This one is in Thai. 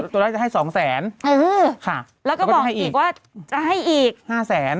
ตัวแรกจะให้สองแสนเออค่ะแล้วก็บอกอีกว่าจะให้อีกห้าแสน